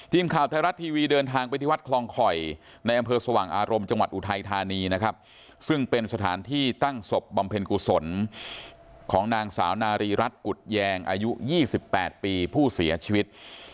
ทีมข่าวไทยรัฐทีวีเดินทางไปที่วัดคลองคอยในอำเภอสว่างอารมณ์จังหวัดอุทัยธานีนะครับซึ่งเป็นสถานที่ตั้งศพบำเพ็ญกุศลของนางสาวนารีรัฐกุฎแยงอายุ๒๘ปีผู้เสียชีวิต